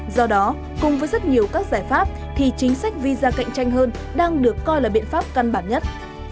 do đó cùng với rất nhiều các giải pháp thì chính sách visa cạnh tranh hơn đang được coi là biện pháp căn bản nhất